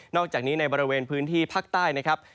อกจากนี้ในบริเวณพื้นที่ภาคใต้นะครับ